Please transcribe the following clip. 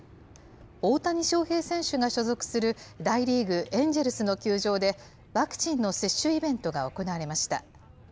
大谷翔平選手が所属する大リーグ・エンジェルスの球場で、ワクチンの接種イベントが行われました。